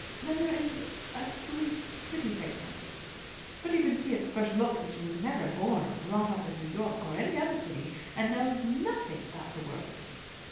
Then there is a sweet, pretty face under it; but you can see at the first look that she was never born or brought up in New York or any other city, and knows just nothing about the world."